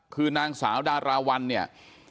คือนางสาวดาราวันเนี่ย